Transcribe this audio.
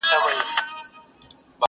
څو لفظونه مي د میني ورته ورکړه،